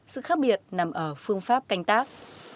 sự khác biệt nằm ở phương pháp canh tác